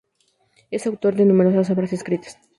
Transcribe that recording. Es autor de numerosas obras escritas.